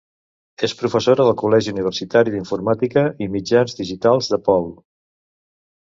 És professora del Col·legi Universitari d'Informàtica i Mitjans Digitals DePaul.